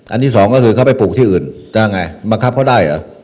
อันที่สองก็คือเขาไปปลูกที่อื่นจะไงบังคับเขาได้อ่ะ